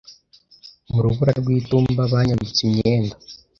mu rubura rwitumba Banyambitse imyenda